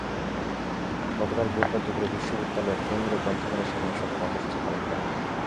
গতকাল বুধবার দুপুরে বিশ্ববিদ্যালয়ের কেন্দ্রীয় গ্রন্থাগারের সামনে এসব কর্মসূচি পালন করা হয়।